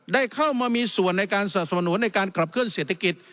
ได้เข้ามามีส่วนในการสนับสนุนในการขับเคลื่อเศรษฐกิจ